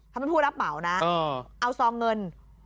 เขาเป็นผู้รับเหมานะเอาซองเงิน